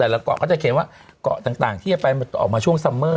ให้ฉันไม่ทำงานเป็นบ้ามากกว่านี่